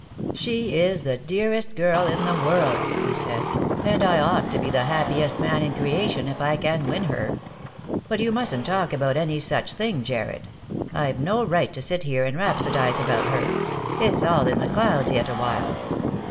" She is the dearest girl in the world," he said ;" and I ought to be the happiest man in creation if I can win her. But you mustn't talk about any such thing, Jarred. I've no right to sit here and rhapsodize about her. It's all in the clouds yet awhile."